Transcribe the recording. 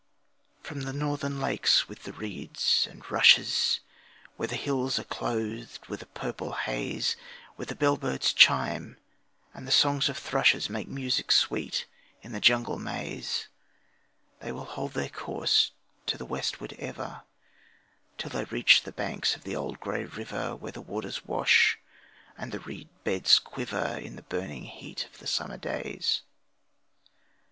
From the northern lakes with the reeds and rushes, Where the hills are clothed with a purple haze, Where the bell birds chime and the songs of thrushes Make music sweet in the jungle maze, They will hold their course to the westward ever, Till they reach the banks of the old grey river, Where the waters wash, and the reed beds quiver In the burning heat of the summer days.